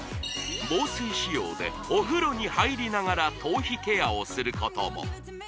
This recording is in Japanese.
防水仕様でお風呂に入りながら頭皮ケアをすることも！